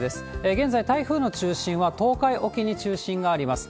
現在、台風の中心は東海沖に中心があります。